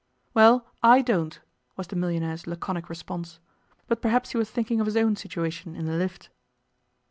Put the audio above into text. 'Well, I don't,' was the millionaire's laconic response; but perhaps he was thinking of his own situation in the lift.